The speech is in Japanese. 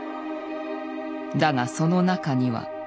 だがその中には。